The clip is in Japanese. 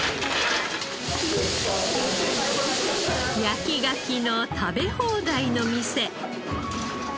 焼きガキの食べ放題の店。